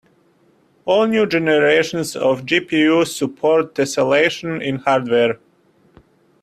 All new generations of GPUs support tesselation in hardware.